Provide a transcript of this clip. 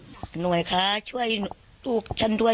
สงสันหนูเนี่ยว่าสงสันหนูเนี่ยมีกระทิแววออกได้จังไหน